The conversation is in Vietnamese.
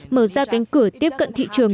mở ra cánh cửa tiếp cận thị trường